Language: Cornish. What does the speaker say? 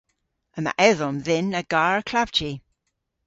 Yma edhomm dhyn a garr klavji.